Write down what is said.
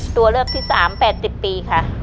ตัวเลือกที่๓๘๐ปีค่ะ